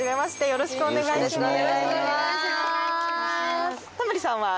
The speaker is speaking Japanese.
よろしくお願いします。